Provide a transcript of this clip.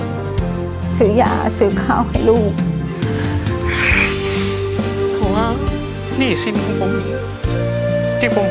อยู่เคียงข้างเธอใจไม่ไหวเอง